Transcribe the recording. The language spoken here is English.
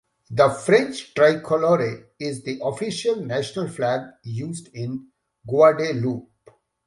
The French "tricolore" is the official national flag used in Guadeloupe.